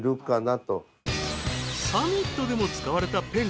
［サミットでも使われたペン。